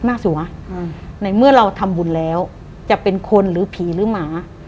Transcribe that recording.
มันเป็นแปลอะไรวะ